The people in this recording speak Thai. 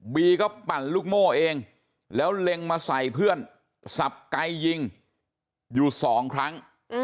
บีก็ปั่นลูกโม่เองแล้วเล็งมาใส่เพื่อนสับไกยิงอยู่สองครั้ง